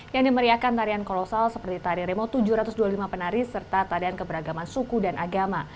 yang dimeriahkan tarian kolosal seperti tari remo tujuh ratus dua puluh lima penari serta tarian keberagaman suku dan agama